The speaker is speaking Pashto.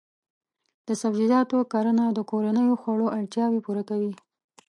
د سبزیجاتو کرنه د کورنیو خوړو اړتیاوې پوره کوي.